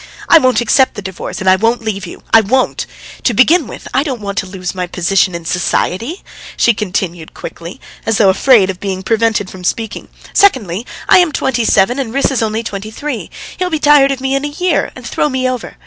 I won't accept the divorce and I won't leave you I won't, I won't! To begin with, I don't want to lose my position in society," she continued quickly, as though afraid of being prevented from speaking. "Secondly, I am twenty seven and Riss is only twenty three; he'll be tired of me in a year and throw me over.